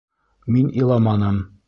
— Мин иламаным.